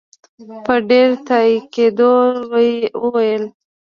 په ډېر تاءکید وویل.